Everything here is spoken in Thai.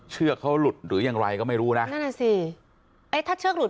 เชือกเขาหลุดหรือยังไรก็ไม่รู้นะนั่นน่ะสิไอ้ถ้าเชือกหลุด